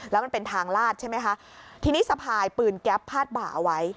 แล้วมันเป็นทางลาดใช่ไหมคะทีนี้สะพายปืนแก๊ปพาดบ่าเอาไว้